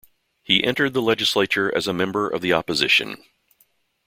He entered the legislature as a member of the opposition.